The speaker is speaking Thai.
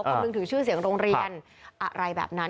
คำนึงถึงชื่อเสียงโรงเรียนอะไรแบบนั้น